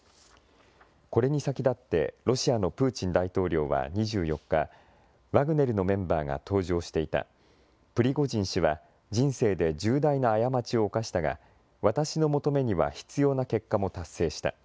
これに先立ってロシアのプーチン大統領は２４日、ワグネルのメンバーが搭乗していた、プリゴジン氏は人生で重大な過ちを犯したが、私の求めには必要な結果も達成した。